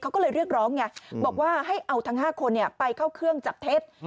เขาก็เลยเรียกร้องไงบอกว่าให้เอาทั้ง๕คนไปเข้าเครื่องจับเท็จ